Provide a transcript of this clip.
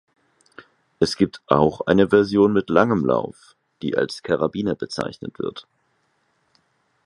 Es gibt auch eine Version mit langem Lauf, die als Karabiner bezeichnet wird.